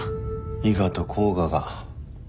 伊賀と甲賀が。